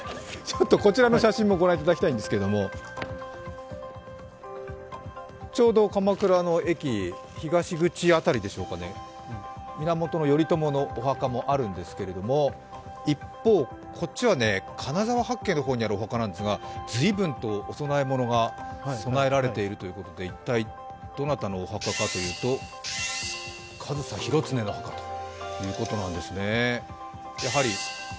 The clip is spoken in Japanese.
こちらの写真も御覧いただきたいんですけれども、ちょうど鎌倉の駅、東口辺りでしょうか、源頼朝のお墓もあるんですけれども、一方、こっちは金沢八景の方にあるお墓なんですが、随分とお供え物が供えられているということで一体どなたのお墓かというと、上総広常のお墓ということなんですね。